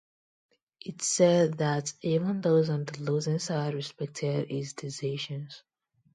It's said that even those on the losing side respected his decisions.